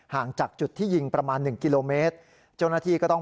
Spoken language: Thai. ห่างจากจุดที่ยิงประมาณหนึ่งกิโลเมตรเจ้าหน้าที่ก็ต้อง